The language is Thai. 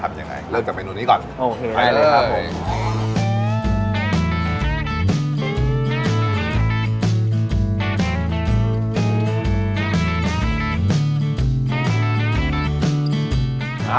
รอดเลยครับรอดเร็วให้เวลานิดเดียว